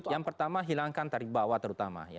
yang pertama hilangkan tarif bawah terutama